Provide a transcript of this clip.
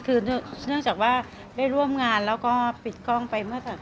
คือเนื่องจากว่าได้ร่วมงานแล้วก็ปิดกล้องไปเมื่อ๓๐